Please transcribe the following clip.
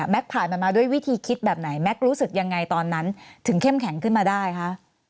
ผ่านมันมาด้วยวิธีคิดแบบไหนแก๊กรู้สึกยังไงตอนนั้นถึงเข้มแข็งขึ้นมาได้คะ